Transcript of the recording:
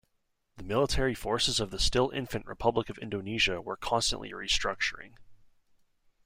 The military forces of the still infant Republic of Indonesia were constantly restructuring.